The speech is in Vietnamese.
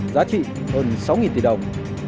giá trị hơn sáu tỷ đồng